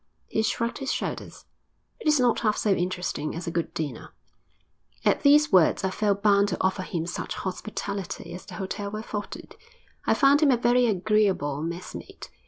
He shrugged his shoulders. 'It is not half so interesting as a good dinner.' At these words I felt bound to offer him such hospitality as the hotel afforded. I found him a very agreeable messmate.